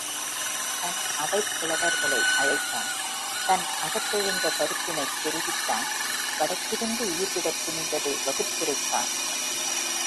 தன் அவைப் புலவர்களை அழைத்தான் தன் அகத்தெழுந்த கருத்தினைத் தெரிவித்தான் வடக்கிருந்து உயிர்விடத் துணிந்ததை வகுத்துரைத்தான்.